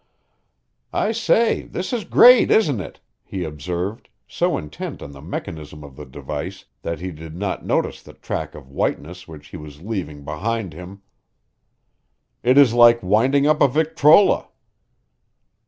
"I say, this is great, isn't it?" he observed, so intent on the mechanism of the device that he did not notice the track of whiteness which he was leaving behind him. "It is like winding up a victrola."